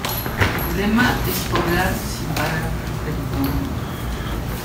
Tu lema es poblar sin parar tu territorio.